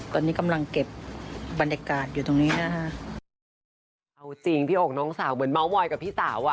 ตอนนี้กำลังเก็บบรรยากาศอยู่ตรงนี้นะฮะเอาจริงพี่อกน้องสาวเหมือนเมาส์มอยกับพี่สาวอ่ะ